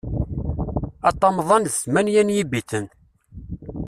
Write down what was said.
Aṭamḍan d tmenya n yibiten.